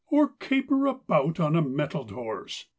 Or caper about on a mettled horse!